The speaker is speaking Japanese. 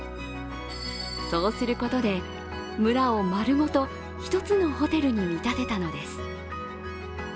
そうすることで、村を丸ごと１つのホテルに見立てたのです。